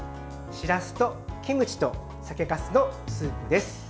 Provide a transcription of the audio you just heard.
しらすとキムチと酒かすのスープです。